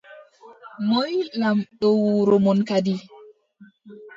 Moy lamɗo wuro mon kadi ?